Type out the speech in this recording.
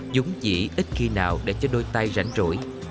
dúng dĩ ít khi nào để cho đôi tay rảnh rỗi